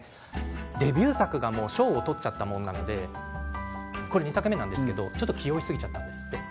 デビュー作が賞を取ってしまったのでこれは２作目なんですけれどもちょっと気負いすぎてしまったんですって。